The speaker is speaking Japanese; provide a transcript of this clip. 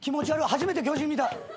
初めて巨人見た。